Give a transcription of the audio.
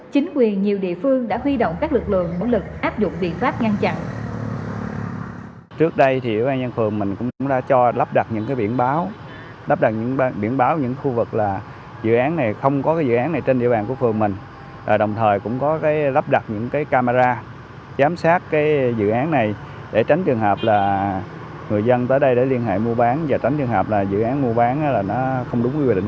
chính quyền nhiều địa phương đã huy động các lực lượng bất lực áp dụng biện pháp ngăn chặn